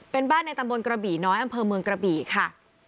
เป็นบ้านในตำบลกระบี่น้อยอำเภอเมืองกระบี่ค่ะ